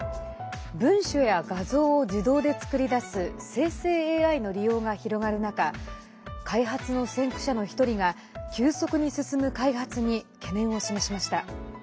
文書や画像を自動で作り出す生成ＡＩの利用が広がる中開発の先駆者の１人が急速に進む開発に懸念を示しました。